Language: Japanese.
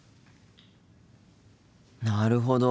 なるほど。